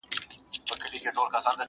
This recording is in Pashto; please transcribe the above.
سل ځله مي خپل کتاب له ده سره کتلی دی!.